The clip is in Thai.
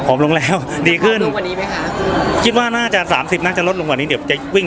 ลงแล้วดีขึ้นกว่านี้ไหมคะคิดว่าน่าจะสามสิบน่าจะลดลงกว่านี้เดี๋ยวจะวิ่ง